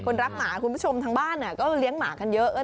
รักหมาคุณผู้ชมทางบ้านก็เลี้ยงหมากันเยอะ